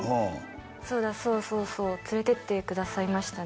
そうそうそう連れてってくださいましたね